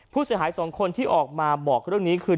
ผู้เสียหายสองคนที่ออกมาบอกเรื่องนี้คือ